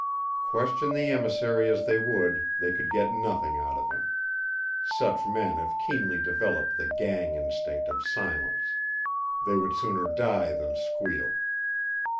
Question the emissary as they would, they could get nothing out of him. Such men have keenly developed the gang instinct of silence. They would sooner die than squeal.